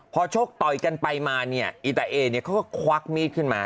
พอชกต่อยกันไปมาไอ้เจ้าเอนี่ก็ควักมีดขึ้นมา